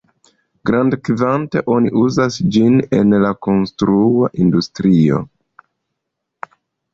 Grandkvante, oni uzas ĝin en la konstrua industrio.